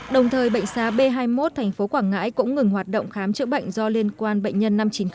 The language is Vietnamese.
đồng thời bệnh xá b hai mươi một tp quảng ngãi cũng ngừng hoạt động khám chữa bệnh do liên quan bệnh nhân năm trăm chín mươi